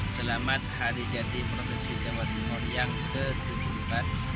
selamat hari jadi provinsi jawa timur yang ketempat